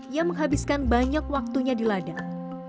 yang menghabiskan banyak waktunya di ladang